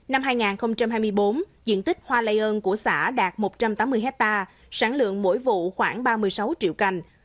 năm hai nghìn hai mươi bốn diện tích hoa lây ơn của xã đạt một trăm tám mươi hectare sản lượng mỗi vụ khoảng ba mươi sáu triệu cành